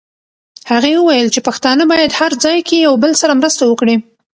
هغې وویل چې پښتانه باید هر ځای کې یو بل سره مرسته وکړي.